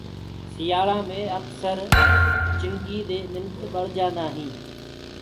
سيآݪآ مي اڪسر چِڻگي دي منک بݪجآندآ هين۔